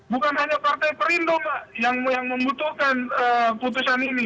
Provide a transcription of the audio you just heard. bukan hanya partai perindo mbak yang membutuhkan putusan ini